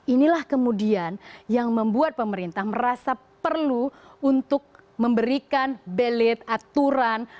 inilah kemudian yang membuat pemerintah merasa perlu untuk memberikan belit aturan